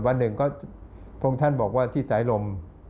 วันหนึ่งพวกฆ่านบอกว่าที่สายลม